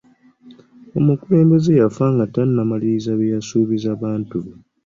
Omukulembeze yafa nga tannamaliriza bye yasuubiza bantu be.